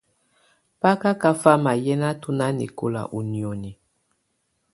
Bá ká kafamà yɛnatɔ̀ nanɛkɔ̀la ù nioni.